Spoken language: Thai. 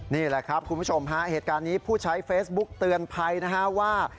นี่แหละครับคุณผู้ชมฮะเหตุการณ์นี้ผู้ใช้เฟซบุ๊กเตือนภัยนะฮะว่า